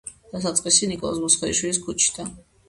დასაწყისი ნიკოლოზ მუსხელიშვილის ქუჩიდან.